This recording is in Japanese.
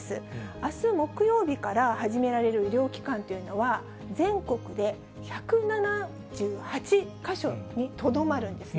あす木曜日から始められる医療機関というのは、全国で１７８か所にとどまるんですね。